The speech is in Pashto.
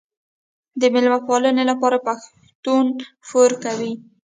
د میلمه پالنې لپاره پښتون پور کوي.